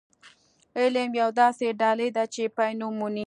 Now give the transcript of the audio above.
علم يوه داسې ډالۍ ده چې پای نه مومي.